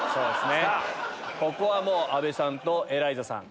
ここは阿部さんとエライザさん。